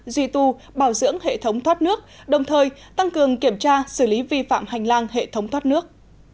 duy tu bảo dưỡng hệ thống thoát nước đồng thời tăng cường kiểm tra xử lý vi phạm hành lang hệ thống thoát nước